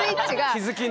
気付きね。